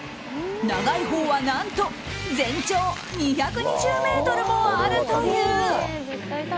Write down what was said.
長いほうは何と全長２２０ｍもあるという。